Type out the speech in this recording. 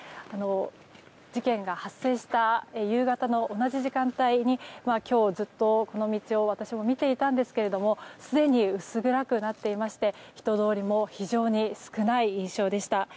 事件が発生した夕方の同じ時間帯に今日、ずっとこの道を私はずっと見ていたんですがすでに薄暗くなっていまして人通りも非常に少ない印象でした。